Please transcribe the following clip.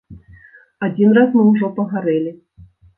Адзін раз мы ўжо пагарэлі.